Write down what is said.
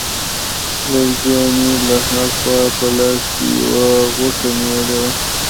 ګل جانې له ها خوا په لاس کې یوه غوټه نیولې وه.